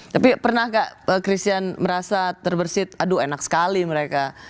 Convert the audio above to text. tapi pernah gak christian merasa terbersih aduh enak sekali mereka